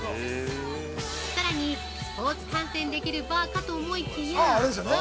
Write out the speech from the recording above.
さらにスポーツ観戦できるバーかと思いきや。